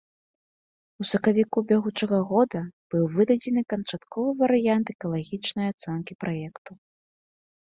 У сакавіку бягучага года быў выдадзены канчатковы варыянт экалагічнай ацэнкі праекту.